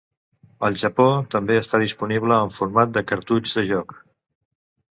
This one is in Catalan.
Al Japó també està disponible en format de cartutx de joc.